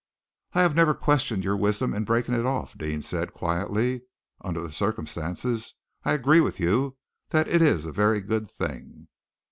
"I have never questioned your wisdom in breaking it off," Deane said quietly. "Under the circumstances, I agree with you that it is a very good thing."